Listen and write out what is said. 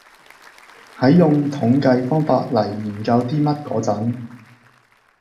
喺用統計方法嚟研究啲乜嗰陣